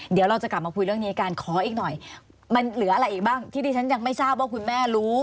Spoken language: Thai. เดี๋ยวเราจะกลับมาคุยเรื่องนี้กันขออีกหน่อยมันเหลืออะไรอีกบ้างที่ที่ฉันยังไม่ทราบว่าคุณแม่รู้